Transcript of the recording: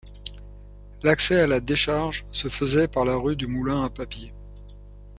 L'accès à la décharge se faisait par la rue du Moulin à Papier.